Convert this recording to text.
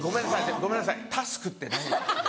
ごめんなさいタスクって何？